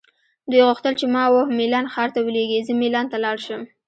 دوی غوښتل چې ما وه میلان ښار ته ولیږي، زه مېلان ته لاړ شم.